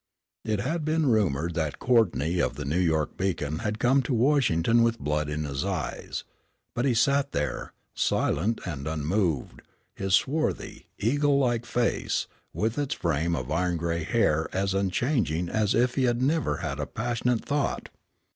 It had been rumored that Courtney of the New York Beacon had come to Washington with blood in his eyes. But there he sat, silent and unmoved, his swarthy, eagle like face, with its frame of iron grey hair as unchanging as if he had never had a passionate thought.